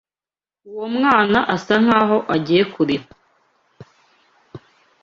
Uwo mwana asa nkaho agiye kurira.